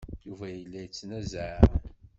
Yuba yella yettnazaɛ.